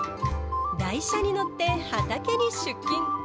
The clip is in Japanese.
台車に乗って畑に出勤。